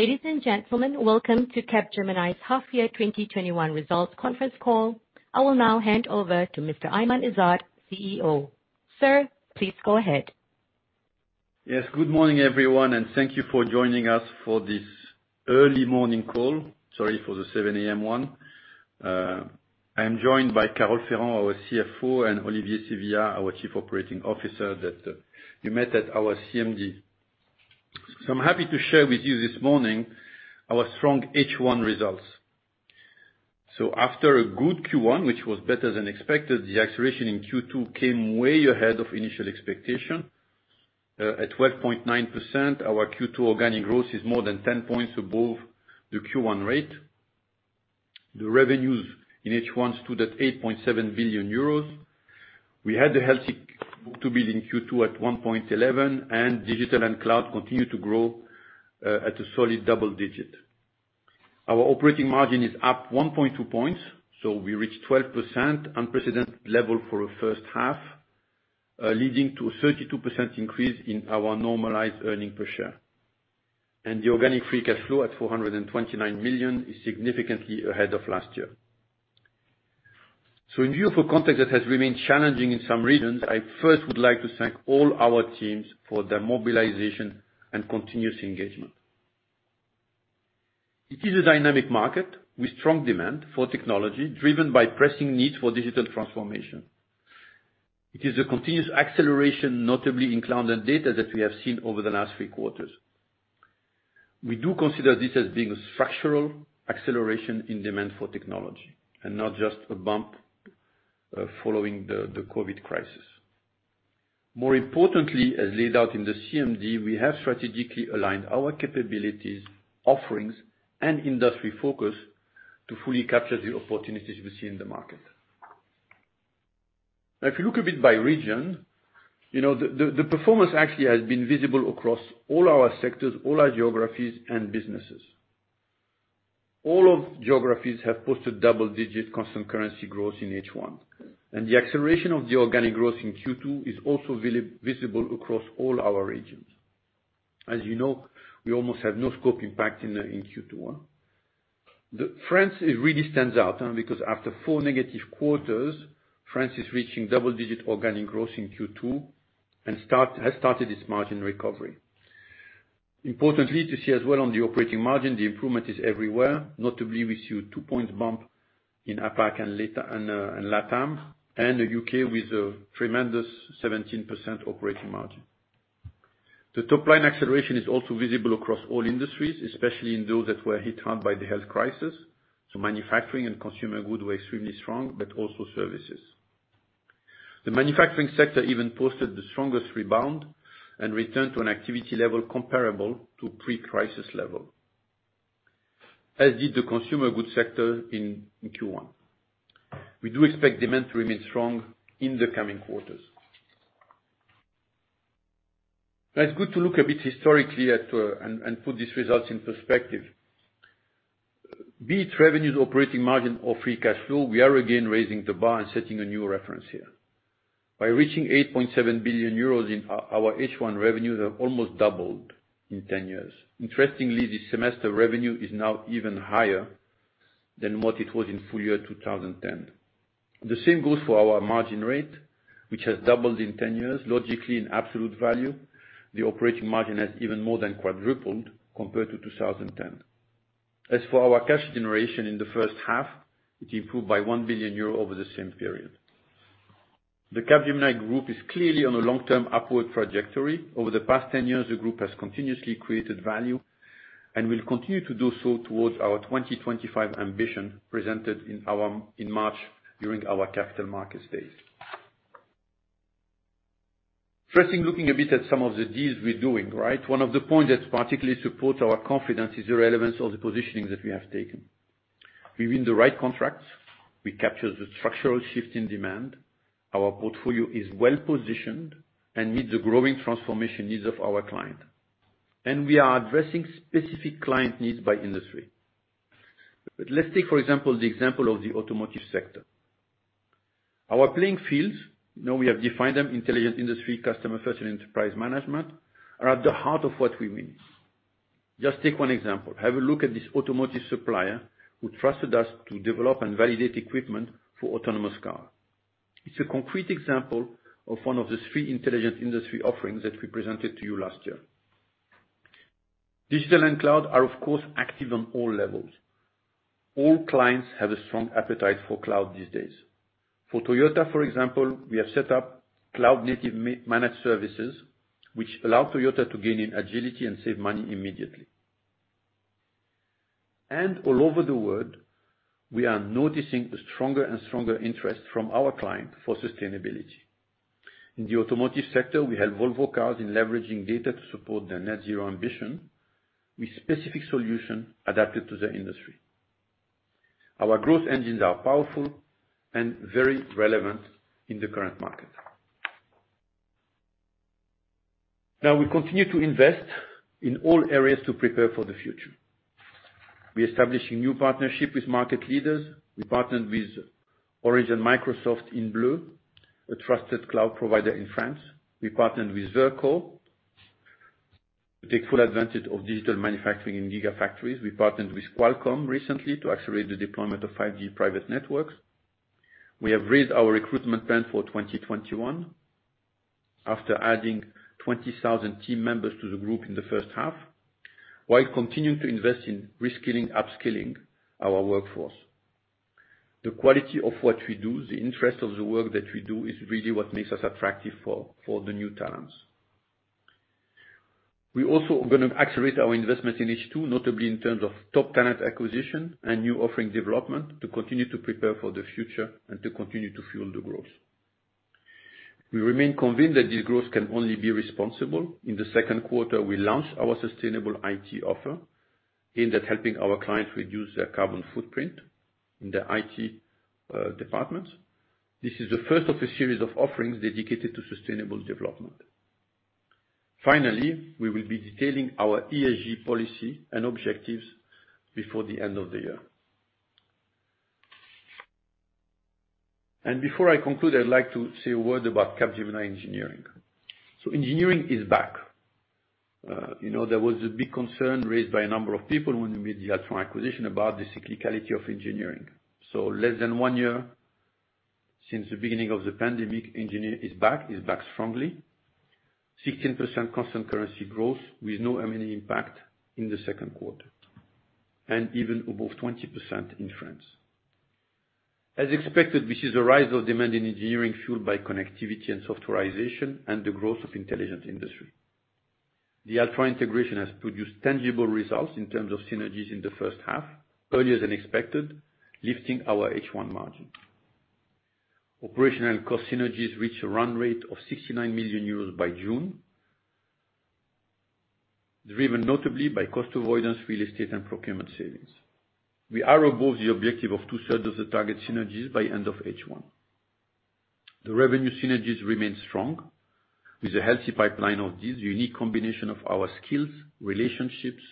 Ladies and gentlemen, welcome to Capgemini's half year 2021 results conference call. I will now hand over to Mr. Aiman Ezzat, CEO. Sir, please go ahead. Yes. Good morning, everyone, and thank you for joining us for this early morning call. Sorry for the 7:00 A.M. one. I am joined by Carole Ferrand, our CFO, and Olivier Sevillia, our Chief Operating Officer, that you met at our CMD. I'm happy to share with you this morning our strong H1 results. After a good Q1, which was better than expected, the acceleration in Q2 came way ahead of initial expectation. At 12.9%, our Q2 organic growth is more than 10 points above the Q1 rate. The revenues in H1 stood at 8.7 billion euros. We had a healthy book-to-bill in Q2 at 1.11 and digital and cloud continued to grow at a solid double-digit. Our operating margin is up 1.2 points, we reached 12%, unprecedented level for a first half, leading to a 32% increase in our normalized earnings per share. The organic free cash flow at 429 million is significantly ahead of last year. In view of a context that has remained challenging in some regions, I first would like to thank all our teams for their mobilization and continuous engagement. It is a dynamic market with strong demand for technology driven by pressing needs for digital transformation. It is a continuous acceleration, notably in cloud and data, that we have seen over the last three quarters. We do consider this as being a structural acceleration in demand for technology and not just a bump following the COVID crisis. More importantly, as laid out in the CMD, we have strategically aligned our capabilities, offerings, and industry focus to fully capture the opportunities we see in the market. Now, if you look a bit by region, the performance actually has been visible across all our sectors, all our geographies and businesses. All of geographies have posted double-digit constant currency growth in H1, and the acceleration of the organic growth in Q2 is also visible across all our regions. As you know, we almost have no scope impact in Q2. France, it really stands out because after four negative quarters, France is reaching double-digit organic growth in Q2 and has started its margin recovery. Importantly, to see as well on the operating margin, the improvement is everywhere, notably with two point bump in APAC and LATAM, and U.K. with a tremendous 17% operating margin. The top line acceleration is also visible across all industries, especially in those that were hit hard by the health crisis, so manufacturing and consumer goods were extremely strong, but also services. The manufacturing sector even posted the strongest rebound and returned to an activity level comparable to pre-crisis level, as did the consumer goods sector in Q1. We do expect demand to remain strong in the coming quarters. It's good to look a bit historically and put these results in perspective. Be it revenues, operating margin, or free cash flow, we are again raising the bar and setting a new reference here. By reaching 8.7 billion euros in our H1 revenues have almost doubled in 10 years. Interestingly, this semester revenue is now even higher than what it was in full year 2010. The same goes for our margin rate, which has doubled in 10 years. Logically in absolute value, the operating margin has even more than quadrupled compared to 2010. As for our cash generation in the first half, it improved by 1 billion euro over the same period. The Capgemini group is clearly on a long-term upward trajectory. Over the past 10 years, the group has continuously created value and will continue to do so towards our 2025 ambition presented in March during our Capital Markets Day. First thing, looking a bit at some of the deals we're doing. One of the points that particularly supports our confidence is the relevance of the positioning that we have taken. We win the right contracts. We capture the structural shift in demand. Our portfolio is well positioned and meet the growing transformation needs of our client. We are addressing specific client needs by industry. Let's take, for example, the example of the automotive sector. Our playing fields, we have defined them, Intelligent Industry, customer first, and enterprise management, are at the heart of what we mean. Just take one example. Have a look at this automotive supplier who trusted us to develop and validate equipment for autonomous car. It's a concrete example of one of the three Intelligent Industry offerings that we presented to you last year. Digital and cloud are, of course, active on all levels. All clients have a strong appetite for cloud these days. For Toyota, for example, we have set up cloud-native managed services, which allow Toyota to gain in agility and save money immediately. All over the world, we are noticing a stronger and stronger interest from our client for sustainability. In the automotive sector, we help Volvo Cars in leveraging data to support their net zero ambition with specific solution adapted to the industry. Our growth engines are powerful and very relevant in the current market. Now, we continue to invest in all areas to prepare for the future. We establishing new partnership with market leaders. We partnered with Orange and Microsoft in Bleu, a trusted cloud provider in France. We partnered with Verkor to take full advantage of digital manufacturing in gigafactories. We partnered with Qualcomm recently to accelerate the deployment of 5G private networks. We have raised our recruitment plan for 2021 after adding 20,000 team members to the group in the first half, while continuing to invest in reskilling, upskilling our workforce. The quality of what we do, the interest of the work that we do is really what makes us attractive for the new talents. We also are going to accelerate our investment in H2, notably in terms of top talent acquisition and new offering development to continue to prepare for the future and to continue to fuel the growth. We remain convinced that this growth can only be responsible. In the second quarter, we launched our Sustainable IT offer, aimed at helping our clients reduce their carbon footprint in their IT departments. This is the first of a series of offerings dedicated to sustainable development. We will be detailing our ESG policy and objectives before the end of the year. Before I conclude, I'd like to say a word about Capgemini Engineering. Engineering is back. There was a big concern raised by a number of people when we made the Altran acquisition about the cyclicality of Engineering. Less than one year since the beginning of the pandemic, Engineering is back strongly. 16% constant currency growth with no M&A impact in the second quarter, and even above 20% in France. As expected, we see the rise of demand in engineering fueled by connectivity and softwarization and the growth of Intelligent Industry. The Altran integration has produced tangible results in terms of synergies in the first half, earlier than expected, lifting our H1 margin. Operational cost synergies reach a run rate of 69 million euros by June, driven notably by cost avoidance, real estate, and procurement savings. We are above the objective of 2/3 of the target synergies by end of H1. The revenue synergies remain strong with a healthy pipeline of deals. Unique combination of our skills, relationships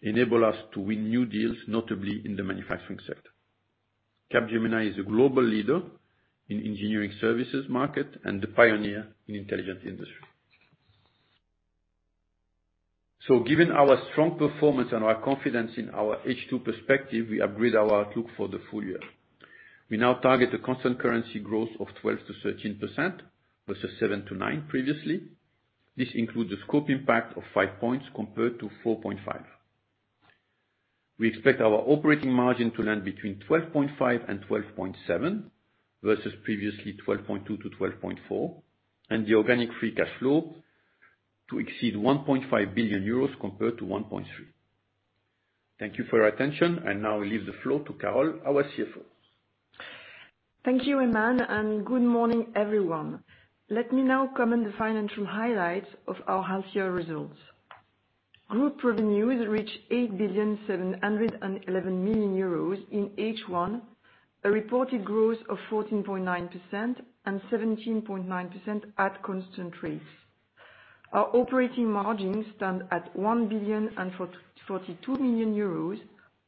enable us to win new deals, notably in the manufacturing sector. Capgemini is a global leader in engineering services market and the pioneer in Intelligent Industry. Given our strong performance and our confidence in our H2 perspective, we upgrade our outlook for the full year. We now target a constant currency growth of 12%-13%, versus 7%-9% previously. This includes a scope impact of five points compared to 4.5. We expect our operating margin to land between 12.5% and 12.7% versus previously 12.2%-12.4%, and the organic free cash flow to exceed 1.5 billion euros compared to 1.3 billion. Thank you for your attention. I now leave the floor to Carole, our CFO. Thank you, Aiman, and good morning, everyone. Let me now comment the financial highlights of our half-year results. Group revenues reached 8,711,000,000 euros in H1, a reported growth of 14.9% and 17.9% at constant rates. Our operating margins stand at 1,000,042,000 euros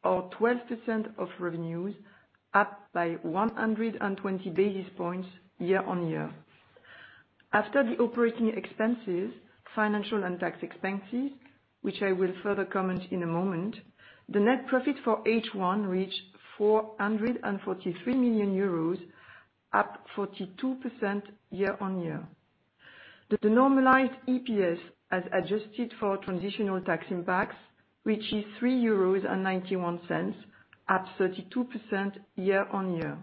or 12% of revenues, up by 120 basis points year-on-year. After the operating expenses, financial and tax expenses, which I will further comment in a moment, the net profit for H1 reached 443 million euros, up 42% year-on-year. The normalized EPS, as adjusted for transitional tax impacts, which is 3.91 euros, up 32% year-on-year.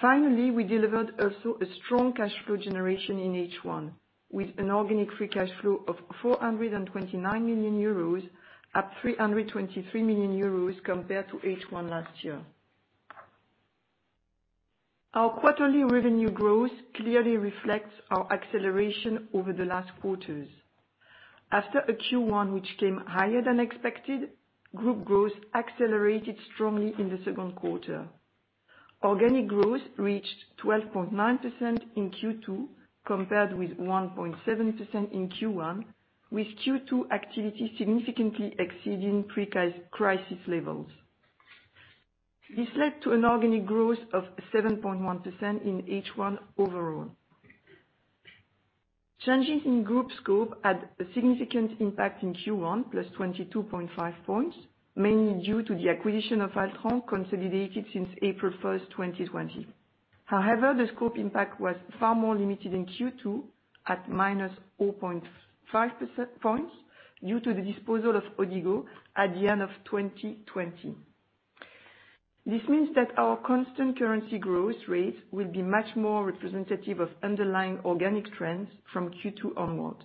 Finally, we delivered also a strong cash flow generation in H1 with an organic free cash flow of 429 million euros, up 323 million euros compared to H1 last year. Our quarterly revenue growth clearly reflects our acceleration over the last quarters. After a Q1 which came higher than expected, group growth accelerated strongly in the second quarter. Organic growth reached 12.9% in Q2 compared with 1.7% in Q1, with Q2 activity significantly exceeding pre-crisis levels. This led to an organic growth of 7.1% in H1 overall. Changes in group scope had a significant impact in Q1, +22.5 points, mainly due to the acquisition of Altran, consolidated since April 1st, 2020. However, the scope impact was far more limited in Q2 at -0.5 points due to the disposal of Odigo at the end of 2020. This means that our constant currency growth rate will be much more representative of underlying organic trends from Q2 onward.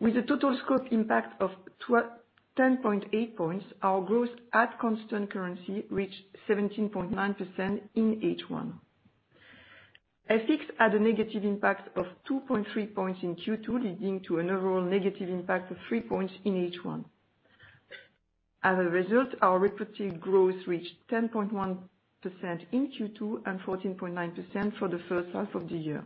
With a total scope impact of 10.8 points, our growth at constant currency reached 17.9% in H1. FX had a negative impact of 2.3 points in Q2, leading to an overall negative impact of three points in H1. As a result, our reported growth reached 10.1% in Q2 and 14.9% for the first half of the year.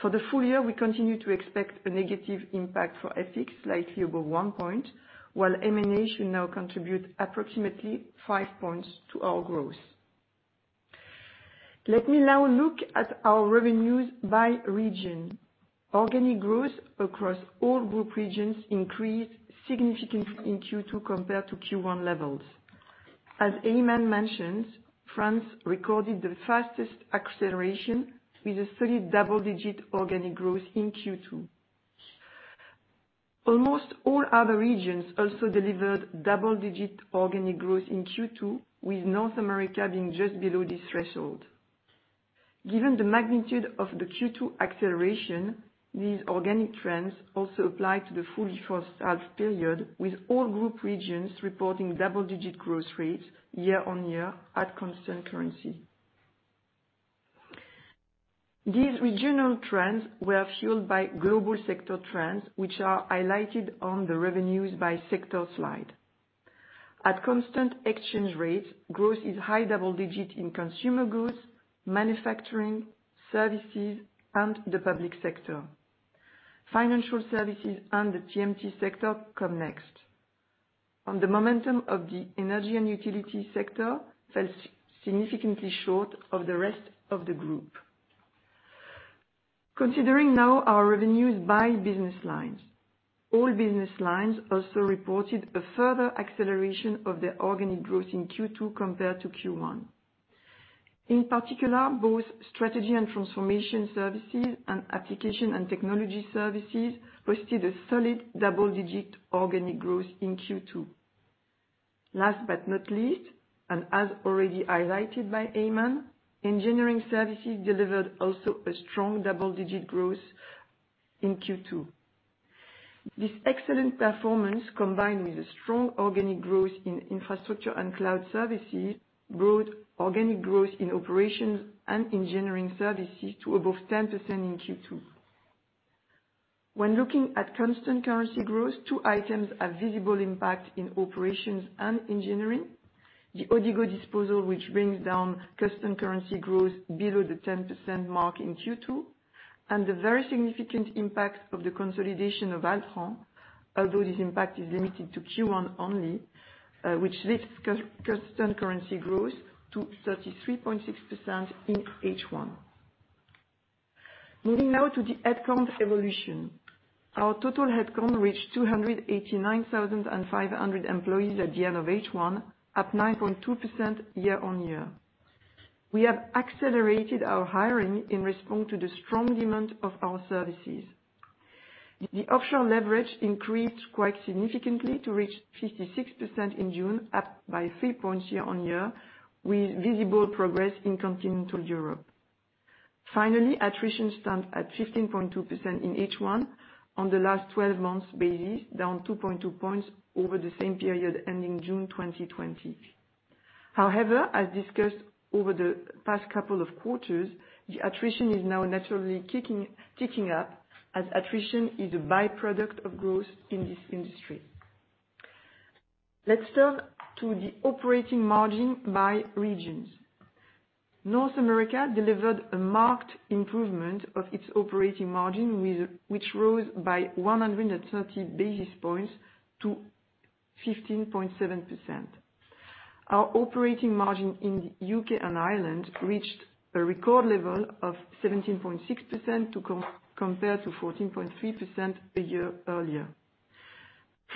For the full year, we continue to expect a negative impact for FX slightly above one point, while M&A should now contribute approximately one points to our growth. Let me now look at our revenues by region. Organic growth across all group regions increased significantly in Q2 compared to Q1 levels. As Aiman mentioned, France recorded the fastest acceleration with a solid double-digit organic growth in Q2. Almost all other regions also delivered double-digit organic growth in Q2, with North America being just below this threshold. Given the magnitude of the Q2 acceleration, these organic trends also apply to the full first half period, with all group regions reporting double-digit growth rates year on year at constant currency. These regional trends were fueled by global sector trends, which are highlighted on the revenues by sector slide. At constant exchange rates, growth is high double digit in consumer goods, manufacturing, services, and the public sector. Financial services and the TMT sector come next. The momentum of the energy and utility sector fell significantly short of the rest of the group. Considering now our revenues by business lines. All business lines also reported a further acceleration of their organic growth in Q2 compared to Q1. In particular, both strategy and transformation services and application and technology services posted a solid double-digit organic growth in Q2. Last but not least, and as already highlighted by Aiman, engineering services delivered also a strong double-digit growth in Q2. This excellent performance, combined with a strong organic growth in infrastructure and cloud services, brought organic growth in operations and engineering services to above 10% in Q2. When looking at constant currency growth, two items have visible impact in operations and engineering. The Odigo disposal, which brings down constant currency growth below the 10% mark in Q2, and the very significant impact of the consolidation of Altran, although this impact is limited to Q1 only, which leaves constant currency growth to 33.6% in H1. Moving now to the headcount evolution. Our total headcount reached 289,500 employees at the end of H1, up 9.2% year-on-year. We have accelerated our hiring in response to the strong demand of our services. The offshore leverage increased quite significantly to reach 56% in June, up by three points year-on-year, with visible progress in continental Europe. Attrition stands at 15.2% in H1 on the last 12 months basis, down 2.2 points over the same period ending June 2020. As discussed over the past couple of quarters, the attrition is now naturally ticking up as attrition is a by-product of growth in this industry. Let's turn to the operating margin by regions. North America delivered a marked improvement of its operating margin, which rose by 130 basis points to 15.7%. Our operating margin in U.K. and Ireland reached a record level of 17.6% compared to 14.3% a year earlier.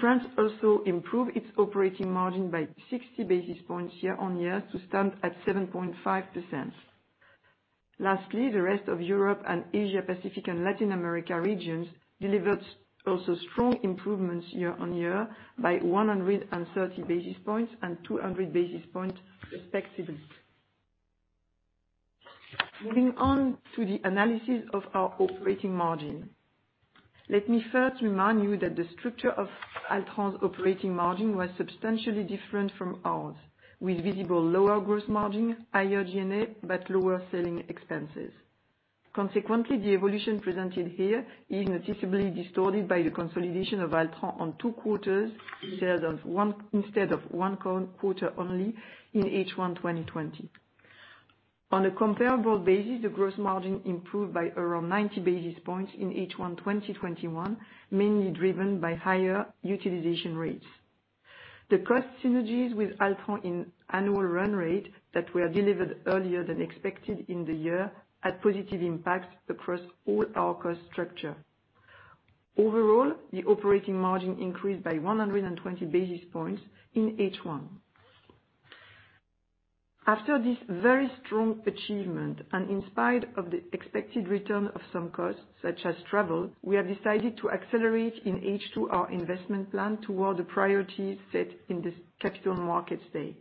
France also improved its operating margin by 60 basis points year-on-year to stand at 7.5%. The rest of Europe and Asia Pacific and Latin America regions delivered also strong improvements year-on-year by 130 basis points and 200 basis points respectively. Moving on to the analysis of our operating margin. Let me first remind you that the structure of Altran's operating margin was substantially different from ours, with visible lower gross margin, higher G&A, but lower selling expenses. The evolution presented here is noticeably distorted by the consolidation of Altran on two quarters instead of one quarter only in H1 2020. On a comparable basis, the gross margin improved by around 90 basis points in H1 2021, mainly driven by higher utilization rates. The cost synergies with Altran in annual run rate that were delivered earlier than expected in the year had positive impacts across all our cost structure. The operating margin increased by 120 basis points in H1. After this very strong achievement, and in spite of the expected return of some costs, such as travel, we have decided to accelerate in H2 our investment plan toward the priorities set in this Capital Markets Day.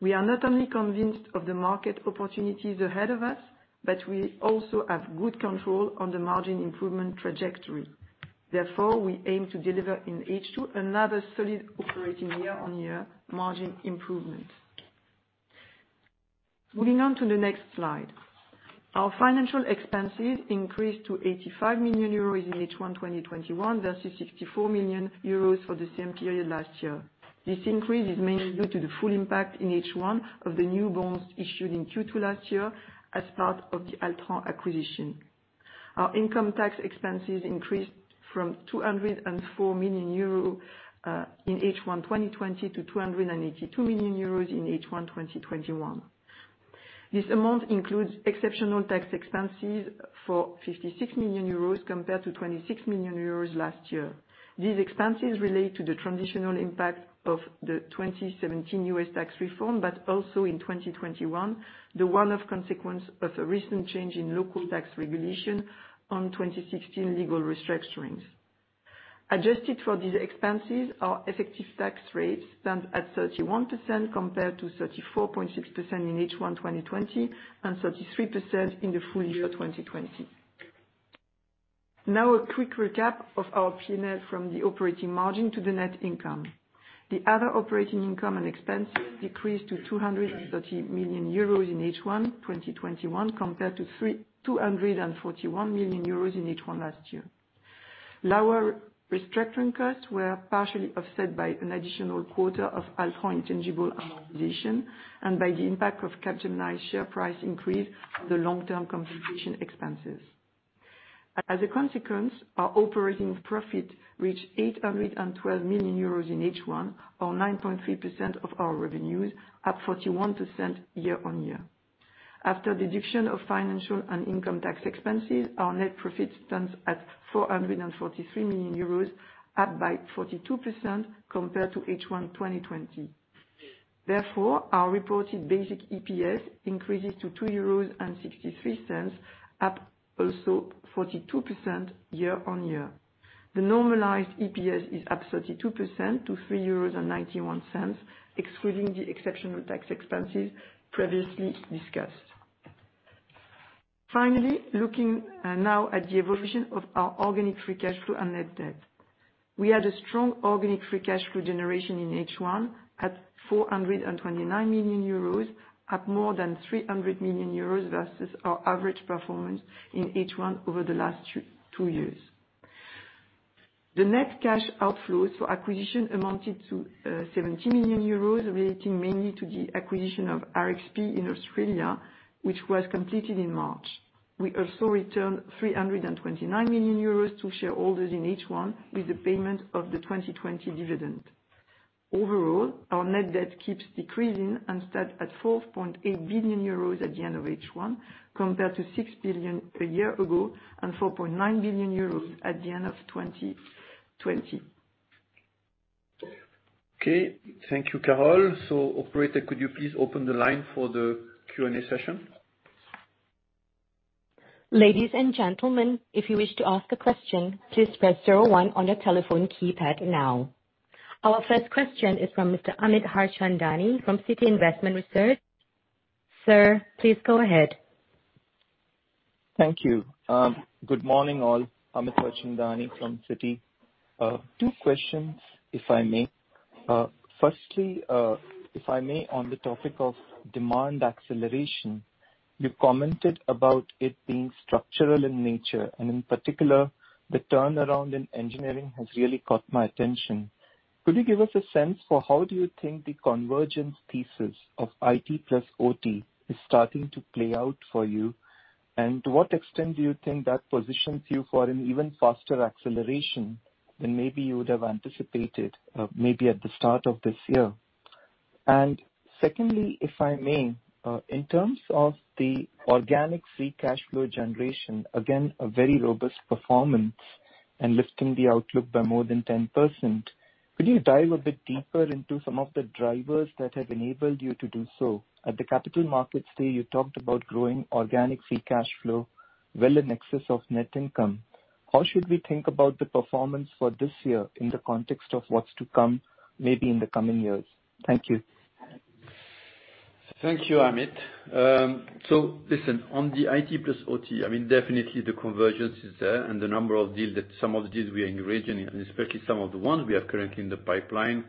We are not only convinced of the market opportunities ahead of us, but we also have good control on the margin improvement trajectory. Therefore, we aim to deliver in H2 another solid operating year-over-year margin improvement. Moving on to the next slide. Our financial expenses increased to 85 million euros in H1 2021 versus 64 million euros for the same period last year. This increase is mainly due to the full impact in H1 of the new bonds issued in Q2 last year as part of the Altran acquisition. Our income tax expenses increased from 204 million euros, in H1 2020 to 282 million euros in H1 2021. This amount includes exceptional tax expenses for 56 million euros compared to 26 million euros last year. These expenses relate to the transitional impact of the 2017 U.S. tax reform, but also in 2021, the one-off consequence of a recent change in local tax regulation on 2016 legal restructurings. Adjusted for these expenses, our effective tax rates stand at 31% compared to 34.6% in H1 2020 and 33% in the full year 2020. A quick recap of our P&L from the operating margin to the net income. The other operating income and expense decreased to 230 million euros in H1 2021 compared to 241 million euros in H1 last year. Lower restructuring costs were partially offset by an additional quarter of Altran intangible amortization and by the impact of Capgemini share price increase on the long-term compensation expenses. As a consequence, our operating profit reached 812 million euros in H1 or 9.3% of our revenues, up 41% year-on-year. After deduction of financial and income tax expenses, our net profit stands at 443 million euros, up by 42% compared to H1 2020. Therefore, our reported basic EPS increases to 2.63 euros, up also 42% year-on-year. The normalized EPS is up 32% to 3.91 euros, excluding the exceptional tax expenses previously discussed. Finally, looking now at the evolution of our organic free cash flow and net debt. We had a strong organic free cash flow generation in H1 at 429 million euros, up more than 300 million euros versus our average performance in H1 over the last two years. The net cash outflows for acquisition amounted to 70 million euros relating mainly to the acquisition of RXP in Australia, which was completed in March. We also returned 329 million euros to shareholders in H1 with the payment of the 2020 dividend. Overall, our net debt keeps decreasing and stands at 4.8 billion euros at the end of H1, compared to 6 billion a year ago and 4.9 billion euros at the end of 2020. Okay. Thank you, Carole. Operator, could you please open the line for the Q&A session? Our first question is from Mr. Amit Harchandani from Citi Investment Research. Sir, please go ahead. Thank you. Good morning, all. Amit Harchandani from Citi. Two questions, if I may. Firstly, if I may, on the topic of demand acceleration, you commented about it being structural in nature, and in particular, the turnaround in engineering has really caught my attention. Could you give us a sense for how do you think the convergence thesis of IT plus OT is starting to play out for you? To what extent do you think that positions you for an even faster acceleration than maybe you would have anticipated, maybe at the start of this year? Secondly, if I may, in terms of the organic free cash flow generation, again, a very robust performance and lifting the outlook by more than 10%. Could you dive a bit deeper into some of the drivers that have enabled you to do so? At the Capital Markets Day, you talked about growing organic free cash flow well in excess of net income. How should we think about the performance for this year in the context of what's to come maybe in the coming years? Thank you. Thank you, Amit. Listen, on the IT plus OT, definitely the convergence is there and the number of deals that some of the deals we are engaging in, especially some of the ones we have currently in the pipeline,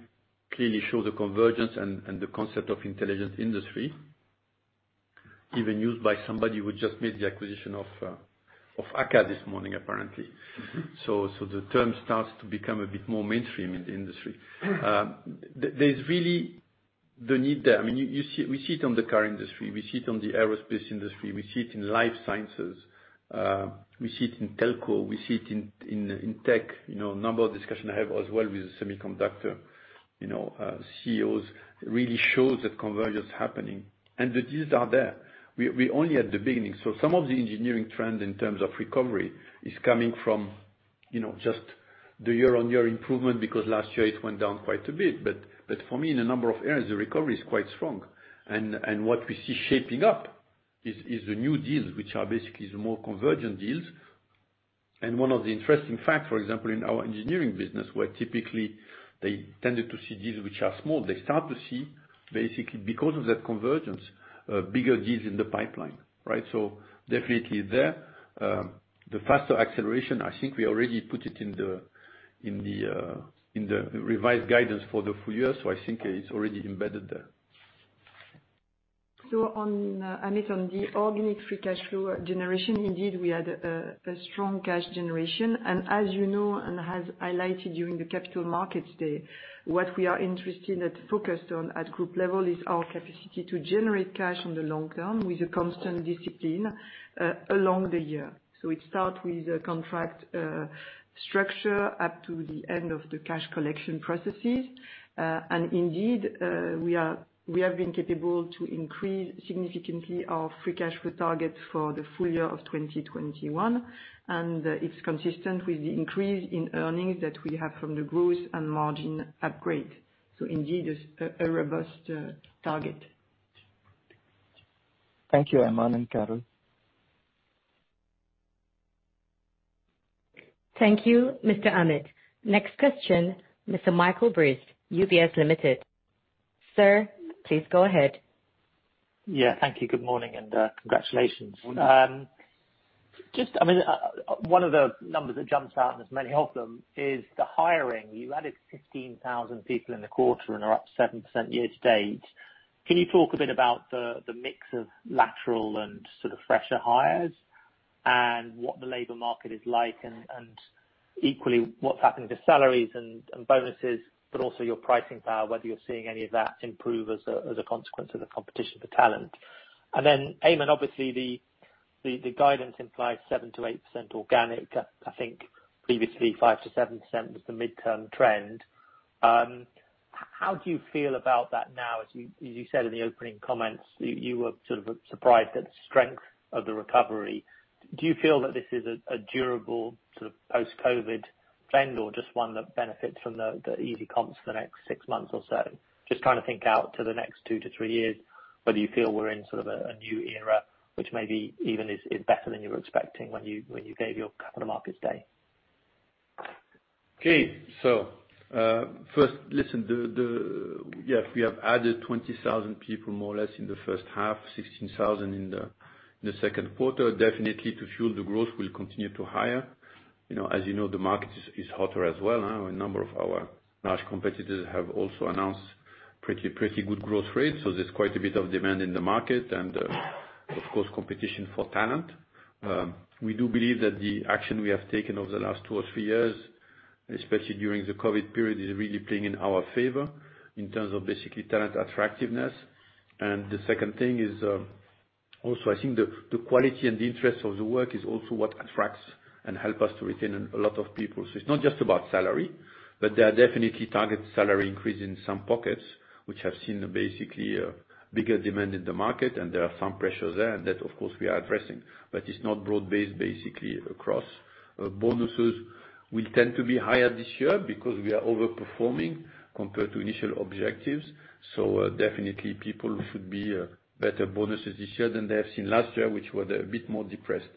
clearly show the convergence and the concept of Intelligent Industry, even used by somebody who just made the acquisition of AKKA this morning, apparently. The term starts to become a bit more mainstream in the industry. There's really the need there. We see it on the car industry, we see it on the aerospace industry, we see it in life sciences, we see it in telco, we see it in tech. A number of discussions I have as well with semiconductor CEOs really shows that convergence happening and the deals are there. We're only at the beginning. Some of the engineering trend in terms of recovery is coming from just the year-over-year improvement because last year it went down quite a bit. For me, in a number of areas, the recovery is quite strong. What we see shaping up is the new deals which are basically the more convergent deals. One of the interesting facts, for example, in our engineering business, where typically they tended to see deals which are small, they start to see basically because of that convergence, bigger deals in the pipeline, right? Definitely there. The faster acceleration, I think we already put it in the revised guidance for the full year. I think it's already embedded there. Amit, on the organic free cash flow generation, indeed, we had a strong cash generation. As you know, and as highlighted during the Capital Markets Day, what we are interested and focused on at group level is our capacity to generate cash in the long term with a constant discipline along the year. It start with a contract structure up to the end of the cash collection processes. Indeed, we have been capable to increase significantly our free cash flow targets for the full year of 2021, and it's consistent with the increase in earnings that we have from the growth and margin upgrade. Indeed, a robust target. Thank you, Aiman and Carole. Thank you, Mr. Amit. Next question, Mr. Michael Briest, UBS Limited. Sir, please go ahead. Yeah, thank you. Good morning, and congratulations. Good morning. One of the numbers that jumps out, and there's many of them, is the hiring. You added 15,000 people in the quarter and are up 7% year to date. Can you talk a bit about the mix of lateral and fresher hires, and what the labor market is like, and equally, what's happening to salaries and bonuses, but also your pricing power, whether you're seeing any of that improve as a consequence of the competition for talent? Aiman, obviously the guidance implies 7%-8% organic. I think previously 5%-7% was the midterm trend. How do you feel about that now? As you said in the opening comments, you were sort of surprised at the strength of the recovery. Do you feel that this is a durable sort of post-COVID trend or just one that benefits from the easy comps for the next six months or so? Just trying to think out to the next two to three years, whether you feel we're in sort of a new era, which maybe even is better than you were expecting when you gave your Capital Markets Day? Okay. First, listen. We have added 20,000 people, more or less, in the first half, 16,000 in the second quarter. Definitely to fuel the growth, we'll continue to hire. As you know, the market is hotter as well. A number of our large competitors have also announced pretty good growth rates, there's quite a bit of demand in the market and, of course, competition for talent. We do believe that the action we have taken over the last two or three years, especially during the COVID period, is really playing in our favor in terms of basically talent attractiveness. The second thing is, also I think the quality and the interest of the work is also what attracts and help us to retain a lot of people. It's not just about salary, but there are definitely target salary increase in some pockets, which have seen basically a bigger demand in the market, and there are some pressures there. That, of course, we are addressing. It's not broad based, basically, across. Bonuses will tend to be higher this year because we are overperforming compared to initial objectives. Definitely people should be better bonuses this year than they have seen last year, which were a bit more depressed.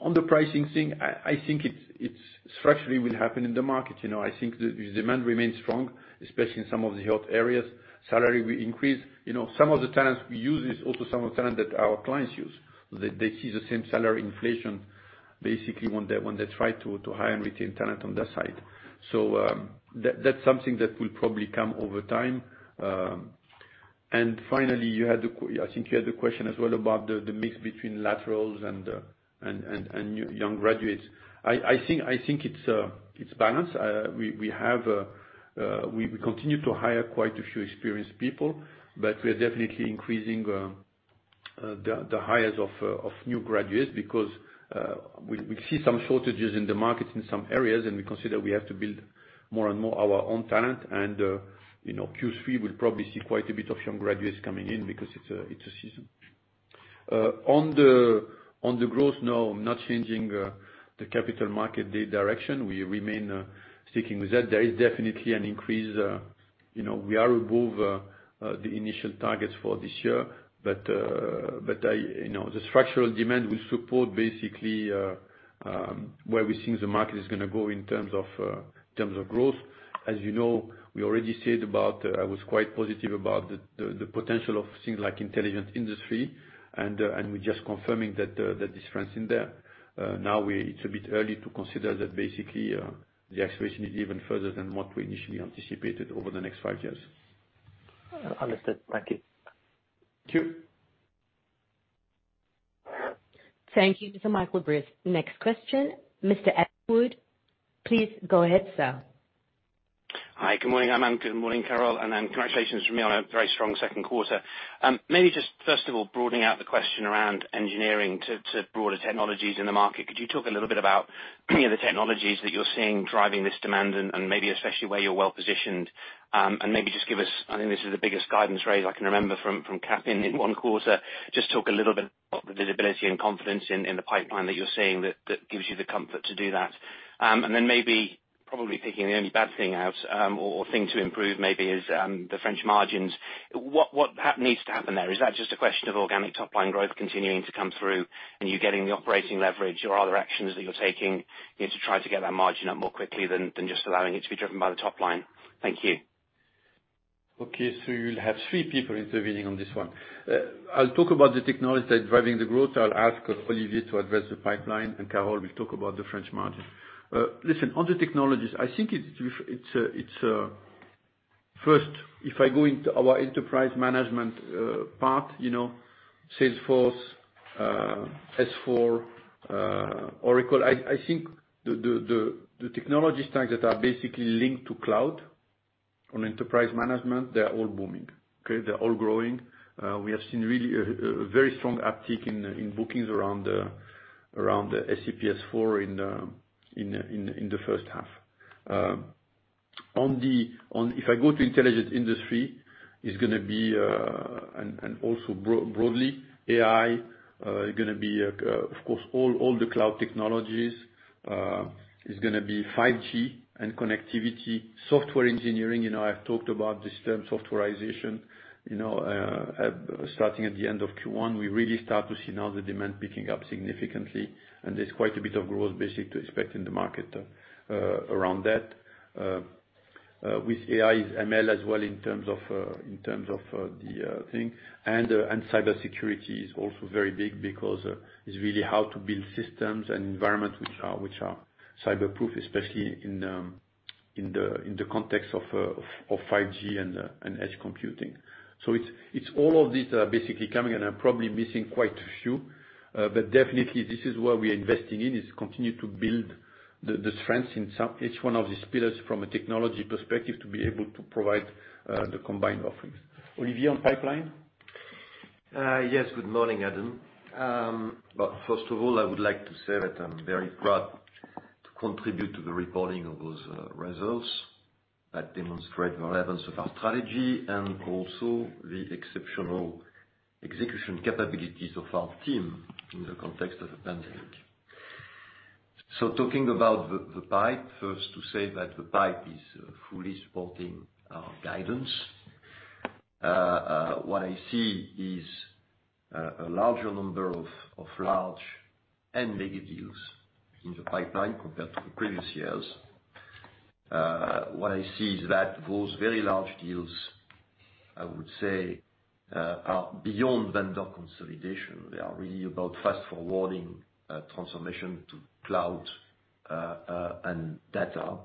On the pricing thing, I think it structurally will happen in the market. I think the demand remains strong, especially in some of the health areas. Salary will increase. Some of the talents we use is also some of the talent that our clients use. They see the same salary inflation basically when they try to hire and retain talent on their side. That's something that will probably come over time. Finally, I think you had a question as well about the mix between laterals and young graduates. I think it's balanced. We continue to hire quite a few experienced people, but we are definitely increasing the hires of new graduates because we see some shortages in the market in some areas, and we consider we have to build more and more our own talent. Q3 will probably see quite a bit of young graduates coming in because it's a season. On the growth, no, I'm not changing the Capital Markets Day direction. We remain sticking with that. There is definitely an increase. We are above the initial targets for this year. The structural demand will support basically where we think the market is going to go in terms of growth. As you know, we already said about, I was quite positive about the potential of things like Intelligent Industry. We're just confirming that there's strength in there. It's a bit early to consider that basically the acceleration is even further than what we initially anticipated over the next five years. Understood. Thank you. Thank you. Thank you, Mr. Michael Briest. Next question, Mr. Adam Wood. Please go ahead, sir. Hi, good morning, Aiman. Good morning, Carole. Congratulations from me on a very strong second quarter. Maybe just first of all, broadening out the question around engineering to broader technologies in the market, could you talk a little bit about the technologies that you're seeing driving this demand and maybe especially where you're well-positioned? Maybe just give us, I think this is the biggest guidance raise I can remember from Cap in 1 quarter. Just talk a little bit about the visibility and confidence in the pipeline that you're seeing that gives you the comfort to do that. Then maybe, probably picking the only bad thing out, or thing to improve maybe is the French margins. What needs to happen there? Is that just a question of organic top-line growth continuing to come through and you getting the operating leverage or are there actions that you're taking to try to get that margin up more quickly than just allowing it to be driven by the top line? Thank you. Okay. You'll have three people intervening on this one. I'll talk about the technology driving the growth. I'll ask Olivier to address the pipeline. Carole will talk about the French margin. Listen, on the technologies, I think first, if I go into our enterprise management part, Salesforce, S/4, Oracle, I think the technology stacks that are basically linked to cloud on enterprise management, they're all booming. Okay. They're all growing. We have seen really a very strong uptick in bookings around the SAP S/4 in the first half. If I go to Intelligent Industry, it's going to be, and also broadly, AI, going to be, of course all the cloud technologies. It's going to be 5G and connectivity, software engineering. I've talked about this term softwarization. Starting at the end of Q1, we really start to see now the demand picking up significantly. There's quite a bit of growth basically to expect in the market around that. With AI is ML as well in terms of the thing. Cybersecurity is also very big because it's really how to build systems and environments which are cyber proof, especially in the context of 5G and edge computing. It's all of these are basically coming, and I'm probably missing quite a few. Definitely, this is where we are investing in, is to continue to build the strengths in each one of these pillars from a technology perspective to be able to provide the combined offerings. Olivier, on pipeline? Yes. Good morning, Adam. First of all, I would like to say that I'm very proud to contribute to the reporting of those results that demonstrate the relevance of our strategy and also the exceptional execution capabilities of our team in the context of the pandemic. Talking about the pipe, first to say that the pipe is fully supporting our guidance. What I see is a larger number of large and mega deals in the pipeline compared to the previous years. What I see is that those very large deals, I would say, are beyond vendor consolidation. They are really about fast forwarding transformation to cloud and data.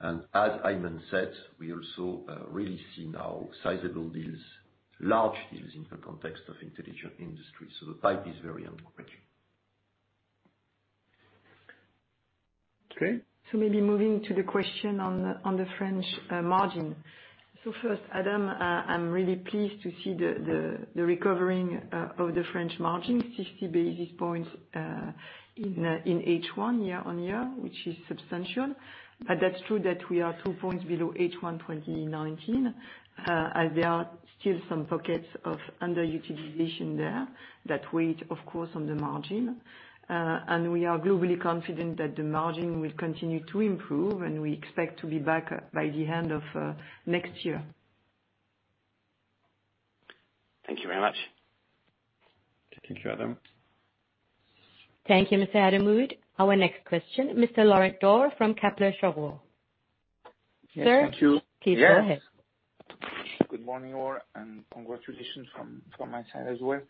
As Aiman said, we also really see now sizable deals, large deals in the context of Intelligent Industry. The pipe is very encouraging. Okay. Maybe moving to the question on the French margin. First, Adam, I'm really pleased to see the recovering of the French margin, 60 basis points in H1 year-over-year, which is substantial. That's true that we are two points below H1 2019, as there are still some pockets of underutilization there that weigh, of course, on the margin. We are globally confident that the margin will continue to improve, and we expect to be back by the end of next year. Thank you very much. Thank you, Adam. Thank you, Mr. Adam Wood. Our next question, Mr. Laurent Daure from Kepler Cheuvreux. Thank you. Please go ahead. Good morning, all. Congratulations from my side as well.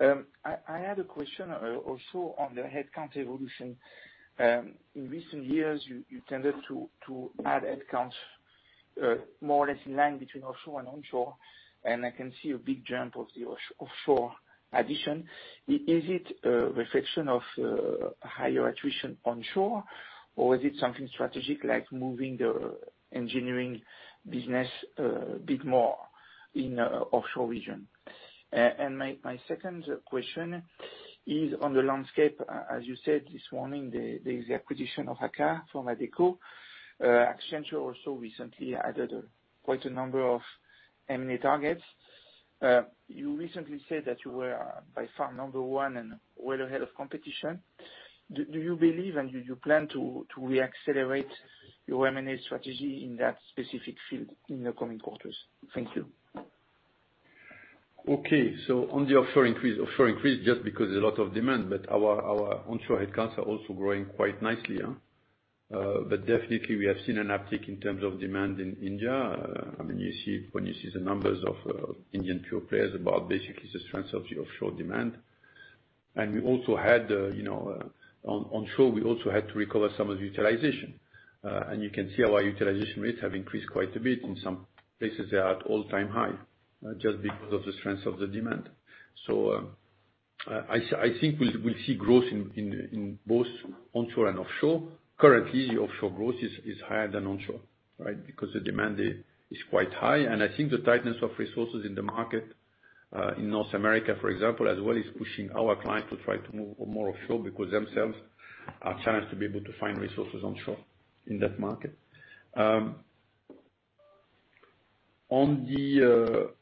I had a question also on the headcount evolution. In recent years, you tended to add headcounts more or less in line between offshore and onshore, and I can see a big jump of the offshore addition. Is it a reflection of higher attrition onshore, or is it something strategic like moving the engineering business a bit more in offshore region? My second question is on the landscape. As you said this morning, there is the acquisition of AKKA from Adecco. Accenture also recently added quite a number of M&A targets. You recently said that you were by far number one and well ahead of competition. Do you believe and do you plan to re-accelerate your M&A strategy in that specific field in the coming quarters? Thank you. Okay. On the offshore increase. Offshore increase just because there's a lot of demand, but our onshore headcounts are also growing quite nicely. Definitely we have seen an uptick in terms of demand in India. When you see the numbers of Indian pure players about basically the strength of the offshore demand. Onshore, we also had to recover some of the utilization. You can see our utilization rates have increased quite a bit. In some places, they are at all-time high, just because of the strength of the demand. I think we'll see growth in both onshore and offshore. Currently, offshore growth is higher than onshore, right, because the demand is quite high. I think the tightness of resources in the market, in North America, for example, as well, is pushing our clients to try to move more offshore because themselves are challenged to be able to find resources onshore in that market. There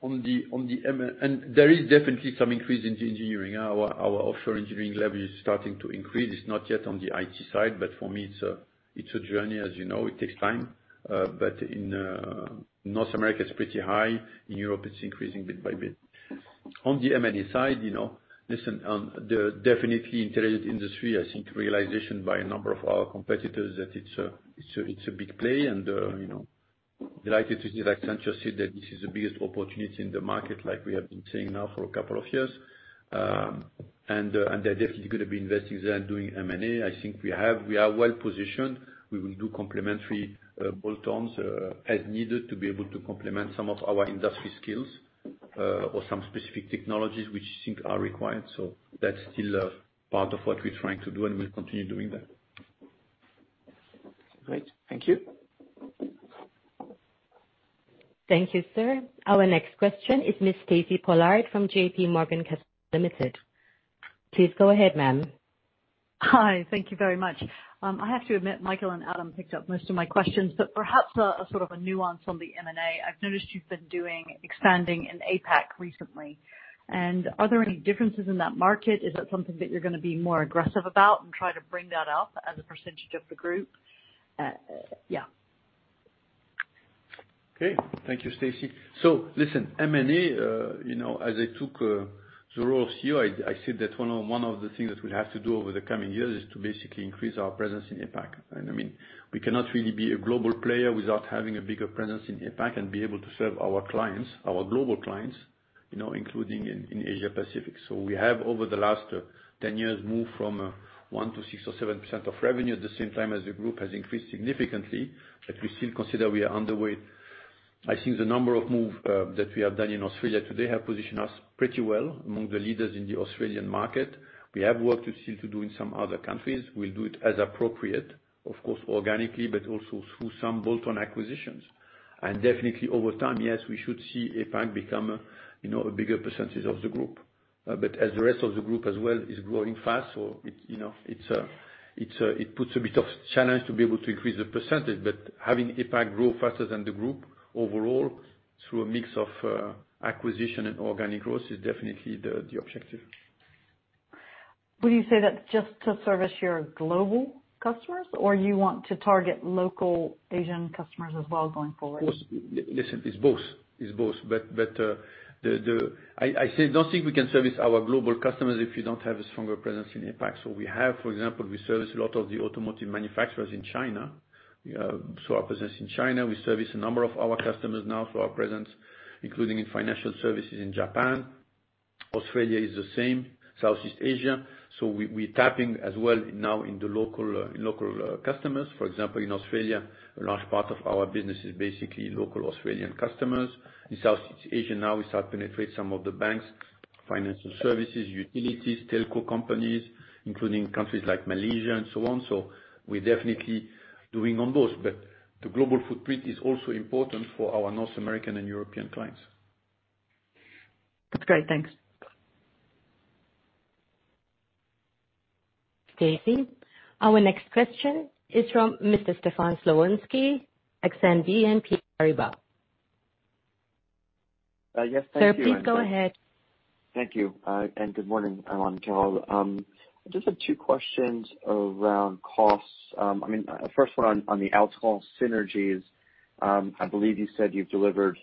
is definitely some increase in engineering. Our offshore engineering level is starting to increase. It's not yet on the IT side, but for me, it's a journey as you know. It takes time. In North America, it's pretty high. In Europe, it's increasing bit by bit. On the M&A side, listen, on the definitely Intelligent Industry, I think realization by a number of our competitors that it's a big play. Delighted to hear that Accenture said that this is the biggest opportunity in the market, like we have been saying now for a couple of years. They're definitely going to be investing there and doing M&A. I think we are well-positioned. We will do complementary bolt-ons as needed to be able to complement some of our industry skills or some specific technologies which we think are required. That's still part of what we're trying to do, and we'll continue doing that. Great. Thank you. Thank you, sir. Our next question is Ms. Stacy Pollard from JPMorgan Limited. Please go ahead, ma'am. Hi. Thank you very much. I have to admit, Michael and Adam picked up most of my questions, but perhaps a sort of a nuance on the M&A. I've noticed you've been expanding in APAC recently. Are there any differences in that market? Is that something that you're going to be more aggressive about and try to bring that up as a percentage of the group? Yeah. Okay. Thank you, Stacy. Listen, M&A, as I took the role of CEO, I said that one of the things that we have to do over the coming years is to basically increase our presence in APAC. We cannot really be a global player without having a bigger presence in APAC and be able to serve our clients, our global clients, including in Asia Pacific. We have, over the last 10 years, moved from 1%-6% or 7% of revenue at the same time as the group has increased significantly. We still consider we are underweight. I think the number of moves that we have done in Australia to date have positioned us pretty well among the leaders in the Australian market. We have work still to do in some other countries. We'll do it as appropriate, of course, organically, but also through some bolt-on acquisitions. Definitely over time, yes, we should see APAC become a bigger percentage of the group. As the rest of the group as well is growing fast, it puts a bit of challenge to be able to increase the percentage. Having APAC grow faster than the group overall through a mix of acquisition and organic growth is definitely the objective. Would you say that's just to service your global customers, or you want to target local Asian customers as well going forward? Listen, it's both. I don't think we can service our global customers if we don't have a stronger presence in APAC. We have, for example, we service a lot of the automotive manufacturers in China, so our presence in China. We service a number of our customers now through our presence, including in financial services in Japan. Australia is the same, Southeast Asia. We're tapping as well now into local customers, for example, in Australia, a large part of our business is basically local Australian customers. In Southeast Asia now we start to penetrate some of the banks, financial services, utilities, telco companies, including countries like Malaysia and so on. We're definitely doing on those. The global footprint is also important for our North American and European clients. That's great. Thanks. Stacy. Our next question is from Mr. Stefan Slowinski, Exane BNP Paribas. Yes. Thank you. Sir, please go ahead. Thank you. Good morning, Aiman and Carole. I just have two questions around costs. First one on the Altran synergies. I believe you said you've delivered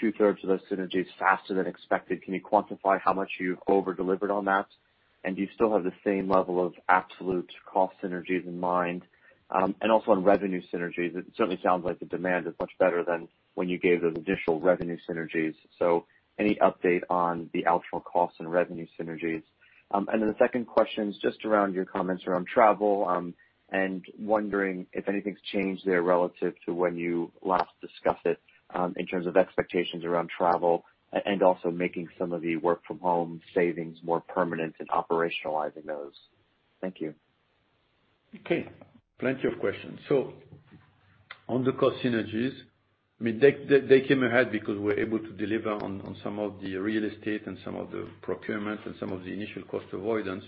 two-thirds of those synergies faster than expected. Can you quantify how much you over-delivered on that? Do you still have the same level of absolute cost synergies in mind? Also on revenue synergies, it certainly sounds like the demand is much better than when you gave those initial revenue synergies. Any update on the Altran cost and revenue synergies? The second question is just around your comments around travel. Wondering if anything's changed there relative to when you last discussed it, in terms of expectations around travel and also making some of the work-from-home savings more permanent and operationalizing those. Thank you. Okay. Plenty of questions. On the cost synergies, they came ahead because we were able to deliver on some of the real estate and some of the procurement and some of the initial cost avoidance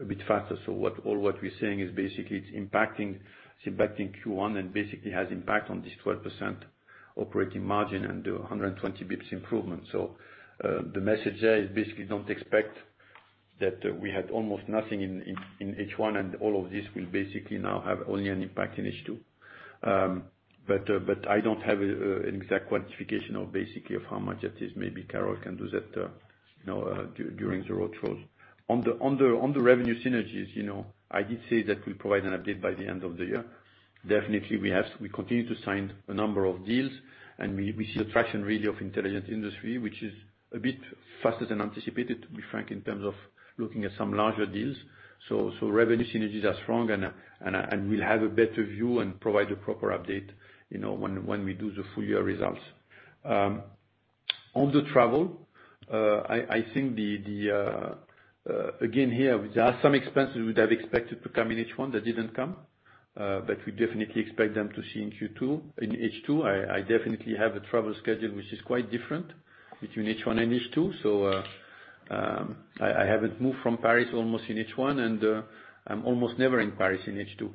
a bit faster. All what we're saying is basically it's impacting Q1 and basically has impact on this 12% operating margin and the 120 basis points improvement. The message there is basically don't expect that we had almost nothing in H1 and all of this will basically now have only an impact in H2. I don't have an exact quantification of how much it is. Maybe Carole can do that during the road shows. On the revenue synergies, I did say that we'll provide an update by the end of the year. Definitely, we continue to sign a number of deals, and we see the traction really of Intelligent Industry, which is a bit faster than anticipated, to be frank, in terms of looking at some larger deals. Revenue synergies are strong, and we'll have a better view and provide a proper update when we do the full year results. On the travel, I think again, here, there are some expenses we would have expected to come in H1 that didn't come. We definitely expect them to see in H2. I definitely have a travel schedule which is quite different between H1 and H2. I haven't moved from Paris almost in H1, and I'm almost never in Paris in H2.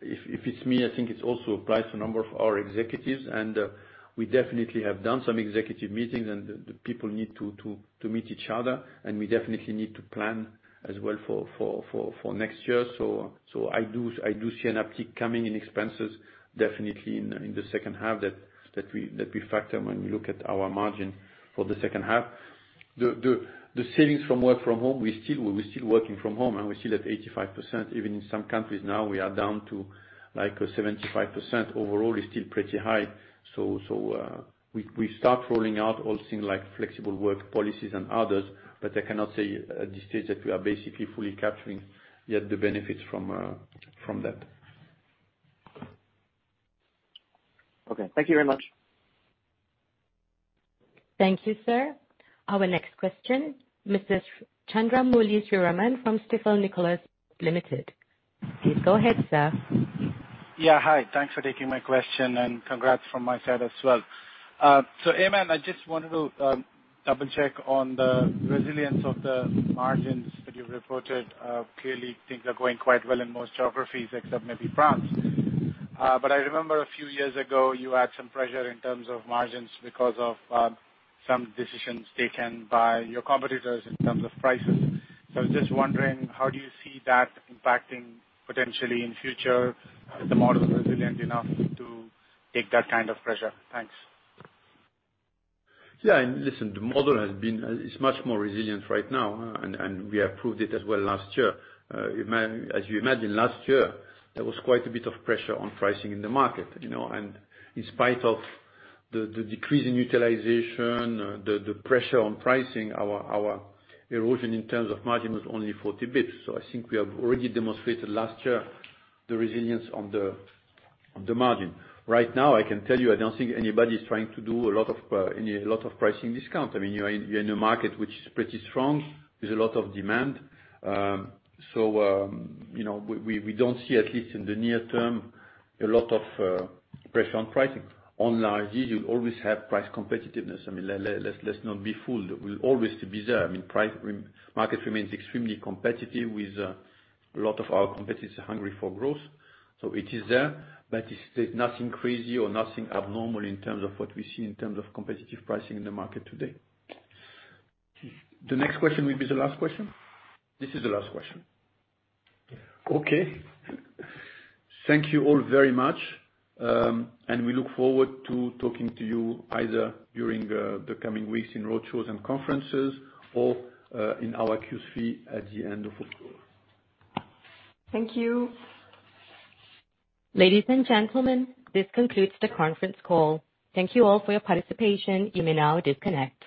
If it's me, I think it also applies to a number of our executives, and we definitely have done some executive meetings, and the people need to meet each other, and we definitely need to plan as well for next year. I do see an uptick coming in expenses definitely in the second half that we factor when we look at our margin for the second half. The savings from work from home, we're still working from home and we're still at 85%. Even in some countries now we are down to like 75%. Overall is still pretty high. We start rolling out all things like flexible work policies and others, but I cannot say at this stage that we are basically fully capturing yet the benefits from that. Okay. Thank you very much. Thank you, sir. Our next question, Mr. Chandramouli Sriraman from Stifel Nicolaus Limited. Please go ahead, sir. Yeah, hi. Thanks for taking my question and congrats from my side as well. Aiman, I just wanted to double-check on the resilience of the margins that you reported. Clearly things are going quite well in most geographies except maybe France. I remember a few years ago you had some pressure in terms of margins because of some decisions taken by your competitors in terms of prices. I was just wondering, how do you see that impacting potentially in future? Is the model resilient enough to take that kind of pressure? Thanks. Listen, the model is much more resilient right now and we have proved it as well last year. As you imagine, last year, there was quite a bit of pressure on pricing in the market. In spite of the decrease in utilization, the pressure on pricing, our erosion in terms of margin was only 40 basis points. I think we have already demonstrated last year the resilience on the margin. Right now, I can tell you, I don't think anybody's trying to do a lot of pricing discount. You're in a market which is pretty strong with a lot of demand. We don't see, at least in the near term, a lot of pressure on pricing. On large, you'll always have price competitiveness. Let's not be fooled. We'll always be there. Market remains extremely competitive with a lot of our competitors hungry for growth. It is there, but there's nothing crazy or nothing abnormal in terms of what we see in terms of competitive pricing in the market today. The next question will be the last question? This is the last question. Okay. Thank you all very much, and we look forward to talking to you either during the coming weeks in roadshows and conferences or in our Q3 at the end of October. Thank you. Ladies and gentlemen, this concludes the conference call. Thank you all for your participation. You may now disconnect.